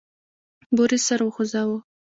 بوریس سر وخوزاوه.